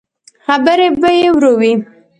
خبرې به يې ورو وې.